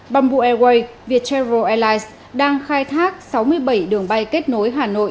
bamboo airways viettel airways đang khai thác sáu mươi bảy đường bay kết nối hà nội